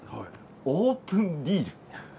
オープンリール。